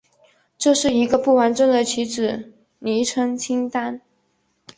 这是一个不完整的旗帜昵称清单。